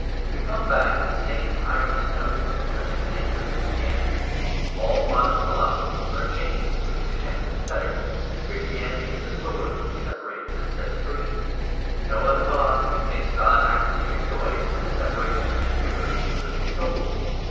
We come back to the same tireless note touching the nature of Christianity; all modern philosophies are chains which connect and fetter; Christianity is a sword which separates and sets free. No other philosophy makes God actually rejoice in the separation of the universe into living souls.